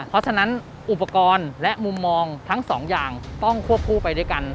เพราะฉะนั้นอุปกรณ์และมุมมองทั้งสองอย่างต้องควบคู่ไปด้วยกัน